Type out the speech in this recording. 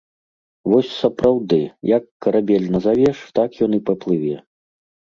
Вось сапраўды, як карабель назавеш, так ён і паплыве.